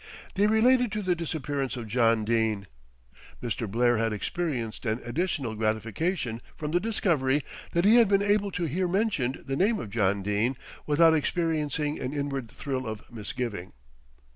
They related to the disappearance of John Dene. Mr. Blair had experienced an additional gratification from the discovery that he had been able to hear mentioned the name of John Dene without experiencing an inward thrill of misgiving.